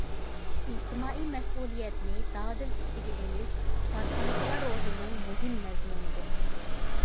ئىجتىمائىي مەسئۇلىيەتنى دادىل ئۈستىگە ئېلىش كارخانىچىلار روھىنىڭ مۇھىم مەزمۇنىدۇر.